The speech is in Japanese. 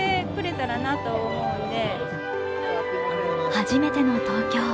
初めての東京。